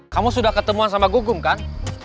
kamu sudah ketemuan sama gugum kan